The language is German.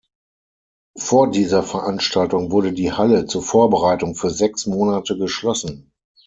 Vor dieser Veranstaltung wurde die Halle zur Vorbereitung für sechs Monate geschlossen.